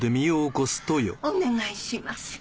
お願いします。